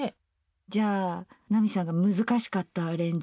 じゃあ奈美さんが難しかったアレンジ。